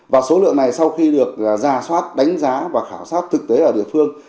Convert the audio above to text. và số lượng này sau khi được ra soát đánh giá và khảo sát thực tế ở địa phương